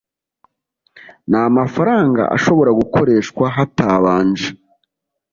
nta mafaranga ashobora gukoreshwa hatabanje